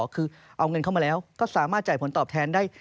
คือเอาเงินเข้ามาแล้วก็สามารถจ่ายผลตอบแทนได้